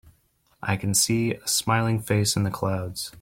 I can see a smiling face in the clouds.